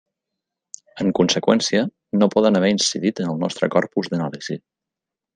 En conseqüència, no poden haver incidit en el nostre corpus d'anàlisi.